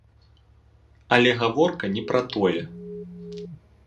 Але гаворка не пра тое.